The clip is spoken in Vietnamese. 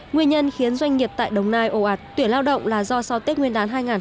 nguyên nhân khiến doanh nghiệp tại đồng nai ồ ạt tuyển lao động là do sau tết nguyên đán hai nghìn một mươi bảy